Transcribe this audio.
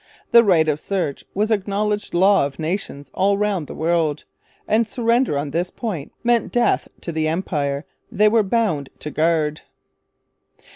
The Right of Search was the acknowledged law of nations all round the world; and surrender on this point meant death to the Empire they were bound to guard.